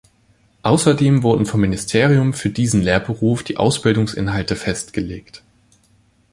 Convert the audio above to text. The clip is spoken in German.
Außerdem wurden vom Ministerium für diesen Lehrberuf die Ausbildungsinhalte festgelegt.